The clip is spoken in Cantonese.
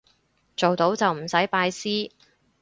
做到就唔使拜師